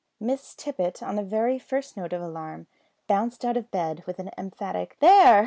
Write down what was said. Miss Tippet, on the very first note of alarm, bounced out of bed with an emphatic "There!"